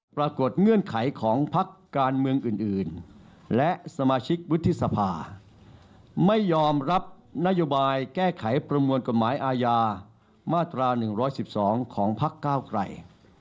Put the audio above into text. เงื่อนไขของพักการเมืองอื่นและสมาชิกวุฒิสภาไม่ยอมรับนโยบายแก้ไขประมวลกฎหมายอาญามาตรา๑๑๒ของพักก้าวไกล